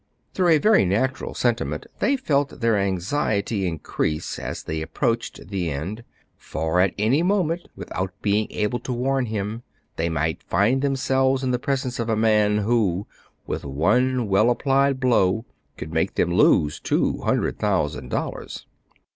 Through a very natural senti ment, they felt their anxiety increase as they ap proached the end ; for, at any moment, without being able to warn him, they might find them selves in the presence of a man, who, with one well applied blow, would make them lose two hun dred thousand dollars.